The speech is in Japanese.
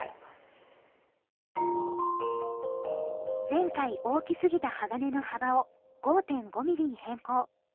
前回大きすぎた鋼の幅を５．５ｍｍに変更。